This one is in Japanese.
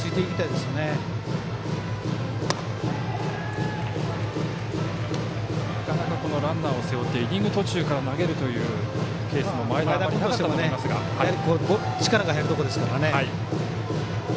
なかなかランナーを背負ってイニング途中から投げるというケースも力が入るところですからね。